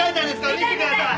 見せてください。